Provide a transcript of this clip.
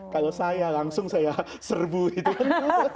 kalau saya langsung saya serbu itu kan